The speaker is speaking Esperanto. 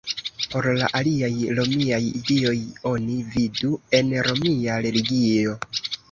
Por la aliaj romiaj dioj oni vidu en romia religio.